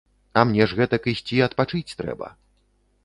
А мне ж гэтак ісці адпачыць трэба.